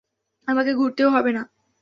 আমাকে ঘুরতেও হবে না।